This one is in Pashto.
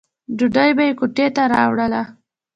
ډوډۍ به یې کوټې ته راوړله.